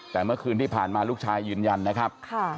แต่เมื่อคืนที่ผ่านมาลูกชายยืนยันนะครับ